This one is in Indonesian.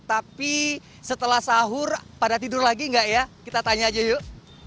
tapi setelah sahur pada tidur lagi enggak ya kita tanya aja yuk